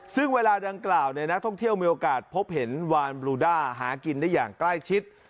ซึ่งเวลาดังกล่าวนักท่องเที่ยวมีโอกาสพบเห็นวานบลูด้าหากินได้อย่างใกล้ชิด